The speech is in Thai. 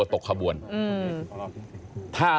ก็ต้องมาถึงจุดตรงนี้ก่อนใช่ไหม